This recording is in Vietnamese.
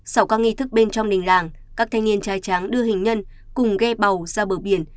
sau các nghi thức bên trong đình làng các thanh niên trai tráng đưa hình nhân cùng ghe bầu ra bờ biển